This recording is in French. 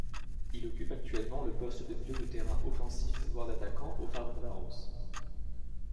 Il occupe actuellement le poste de milieu de terrain offensif voire d'attaquant au Ferencvaros.